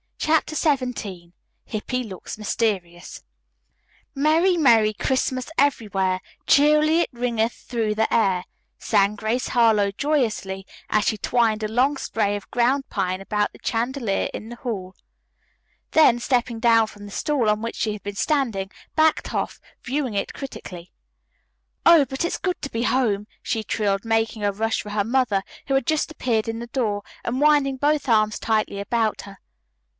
CHAPTER XVII HIPPY LOOKS MYSTERIOUS "Merry, Merry Christmas everywhere, Cheerily it ringeth through the air," sang Grace Harlowe joyously as she twined a long spray of ground pine about the chandelier in the hall, then stepping down from the stool on which she had been standing, backed off, viewing it critically. "Oh, but it's good to be home!" she trilled, making a rush for her mother, who had just appeared in the door, and winding both arms tightly about her.